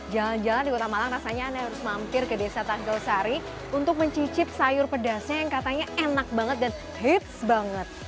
jalan jalan di kota malang rasanya anda harus mampir ke desa tagel sari untuk mencicip sayur pedasnya yang katanya enak banget dan hits banget